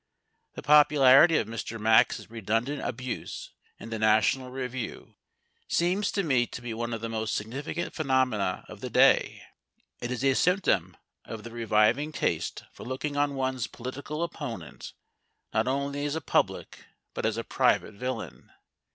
The popularity of Mr Maxse's redundant abuse in The National Review seems to me to be one of the most significant phenomena of the day. It is a symptom of the reviving taste for looking on one's political opponent not only as a public, but as a private, villain.